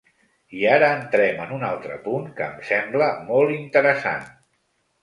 I ara entrem en un altre punt que em sembla molt interessant.